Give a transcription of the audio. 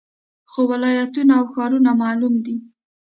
خو ولایتونه او ښارونه معلوم دي